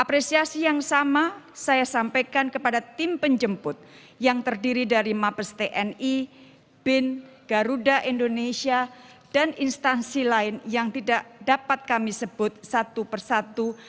apresiasi yang sama saya sampaikan kepada tim penjemput yang terdiri dari mabes tni bin garuda indonesia dan instansi lain yang tidak dapat kami sebut satu persatu